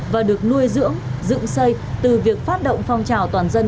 và được nuôi dưỡng dựng xây từ việc phát động phong trào toàn dân